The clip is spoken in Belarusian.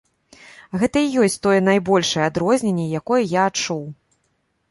Гэта і ёсць тое найбольшае адрозненне, якое я адчуў.